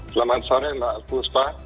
selamat sore mbak fuspa